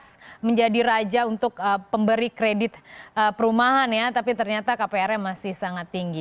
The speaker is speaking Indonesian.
yang menjadi raja untuk pemberi kredit perumahan ya tapi ternyata kpr nya masih sangat tinggi